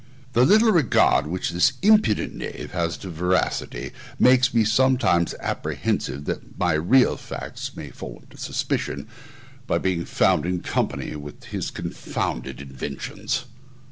The little regard which this impudent knave has to veracity makes me sometimes apprehensive that my real facts may fall under suspicion, by being found in company with his confounded inventions.